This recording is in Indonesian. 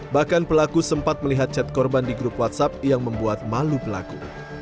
bahkan pelaku sempat melihat chat korban di grup whatsapp yang membuat malu pelaku